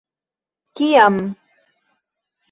Kiam?